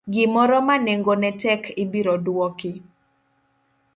gimoro ma nengone tek ibiro duoki.